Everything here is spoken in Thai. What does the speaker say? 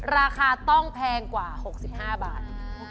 ราคาต้องแพงกว่า๖๕บาท